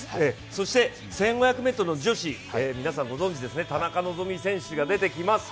そして１５００ｍの女子、皆さんご存じですね、田中希実選手が出てきます。